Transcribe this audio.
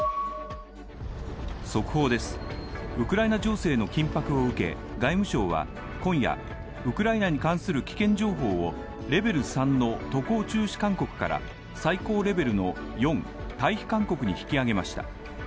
速報です、ウクライナ情勢の緊迫を受け外務省は今夜、ウクライナに関する危険情報をレベル３の渡航中止勧告から最高レベルの４退避勧告に引き上げました。